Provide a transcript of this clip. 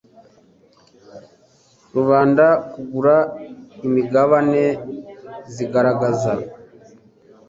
rubanda kugura imigabane zigaragaza